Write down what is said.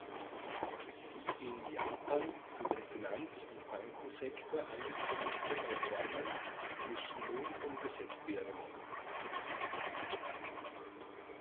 Die in Japan für den Finanz-und Bankensektor angekündigten Reformen müssen nun umgesetzt werden.